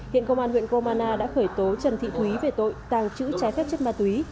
hiện công an huyện groman đã khởi tố trần thị thúy về tội tàng trữ trái phép chất ma túy